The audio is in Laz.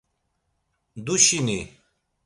Duşini!